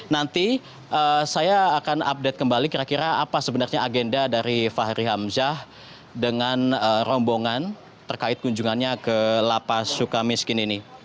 nanti saya akan update kembali kira kira apa sebenarnya agenda dari fahri hamzah dengan rombongan terkait kunjungannya ke lapas suka miskin ini